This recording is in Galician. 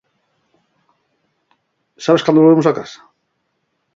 Sabes cando volvemos a casa?